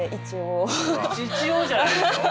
一応じゃないでしょ！